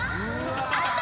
アウト！